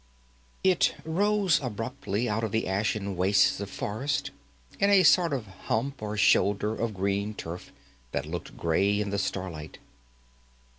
It rose abruptly out of the ashen wastes of forest in a sort of hump or shoulder of green turf that looked grey in the starlight.